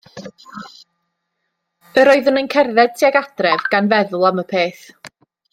Yr oeddwn yn cerdded tuag adref gan feddwl am y peth.